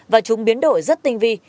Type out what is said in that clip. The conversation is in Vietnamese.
và chúng biến đổi rất tinh vi